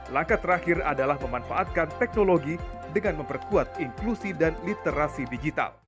langkah terakhir adalah memanfaatkan teknologi dengan memperkuat inklusi dan literasi digital